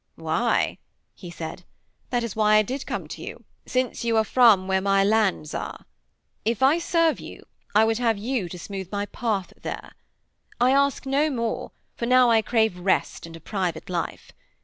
'Why,' he said, 'that is why I did come to you, since you are from where my lands are. If I serve you, I would have you to smooth my path there. I ask no more, for now I crave rest and a private life.